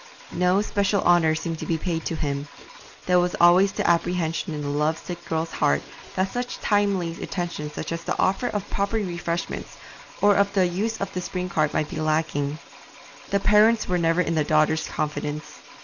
No special honour seemed to be paid him; there was always the apprehension in the love sick girl's heart that such timely attentions as the offer of proper refreshment or of the use of the spring cart might be lacking. The parents were never in the daughter's confidence.